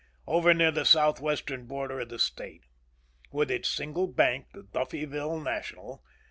Over near the southwestern border of the state. With its single bank, the Duffyville National.